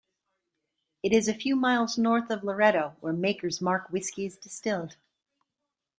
It is a few miles north of Loretto where Maker's Mark whiskey is distilled.